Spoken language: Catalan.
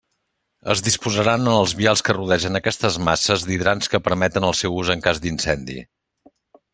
Es disposaran en els vials que rodegen aquestes masses d'hidrants que permeten el seu ús en cas d'incendi.